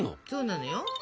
そうなのよ。